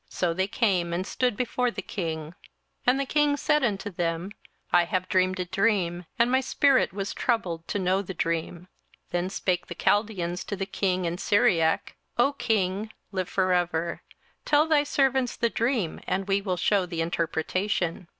So they came and stood before the king. 27:002:003 And the king said unto them, I have dreamed a dream, and my spirit was troubled to know the dream. 27:002:004 Then spake the Chaldeans to the king in Syriack, O king, live for ever: tell thy servants the dream, and we will shew the interpretation.